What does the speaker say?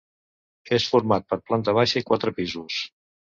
És format per planta baixa i quatre pisos.